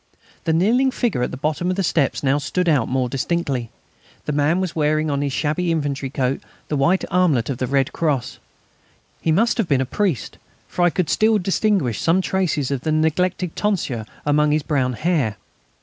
The kneeling figure at the bottom of the steps now stood out more distinctly. The man was wearing on his shabby infantry coat the white armlet with the red cross. He must have been a priest, for I could distinguish some traces of a neglected tonsure among his brown hair.